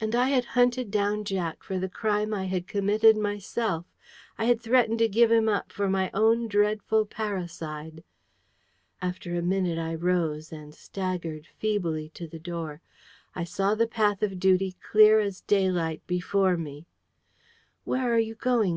And I had hunted down Jack for the crime I had committed myself! I had threatened to give him up for my own dreadful parricide! After a minute, I rose, and staggered feebly to the door. I saw the path of duty clear as daylight before me. "Where are you going?"